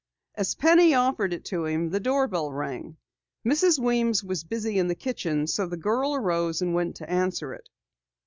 As Penny offered it to him, the doorbell rang. Mrs. Weems was busy in the kitchen so the girl arose and went to answer it.